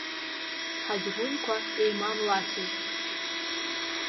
Ҳаҭгәынқәа еимамлацызт.